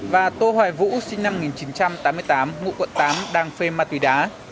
và tô hoài vũ sinh năm một nghìn chín trăm tám mươi tám ngụ quận tám đang phê ma túy đá